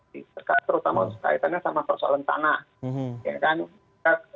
terutama kaitannya sama persoalan tanah